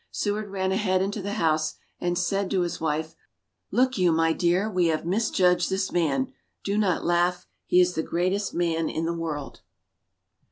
Seward ran ahead into the house and said to his wife: "Look you, my dear, we have misjudged this man. Do not laugh. He is the greatest man in the world!"